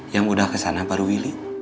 yang udah kesana baru willy